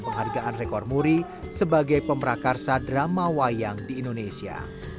penghargaan rekor muri sebagai pemrakarsa drama wayang di indonesia